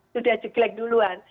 sudah jelek duluan